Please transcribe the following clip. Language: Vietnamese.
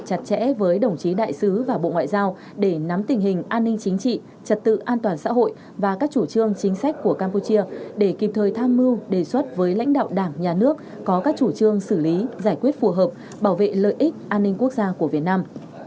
chúc đồng chí đại sứ tham mưu đề xuất với lãnh đạo đảng nhà nước có các chủ trương xử lý giải quyết phù hợp bảo vệ lợi ích an ninh quốc gia của việt nam